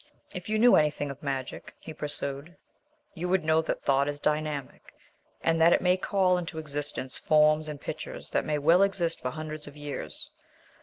"If you knew anything of magic," he pursued, "you would know that thought is dynamic, and that it may call into existence forms and pictures that may well exist for hundreds of years.